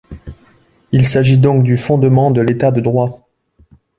Il s'agit donc du fondement de l’état de droit.